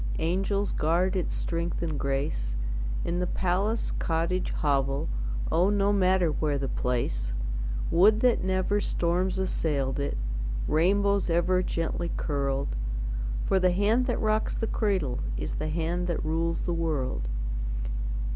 Angels guard its strength and grace, In the palace, cottage, hovel, Oh, no matter where the place; Would that never storms assailed it, Rainbows ever gently curled; For the hand that rocks the cradle Is the hand that rules the world.